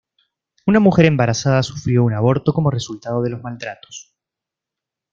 Una mujer embarazada sufrió un aborto como resultado de los maltratos.